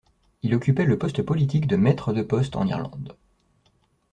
Il occupait le poste politique de maître de poste en Irlande.